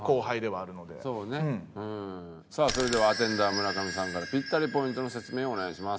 それではアテンダー村上さんからピッタリポイントの説明をお願いします。